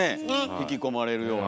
引き込まれるような。